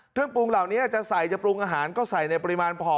เครื่องปรุงเหล่านี้จะใส่จะปรุงอาหารก็ใส่ในปริมาณพอ